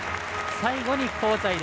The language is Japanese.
最後に香西。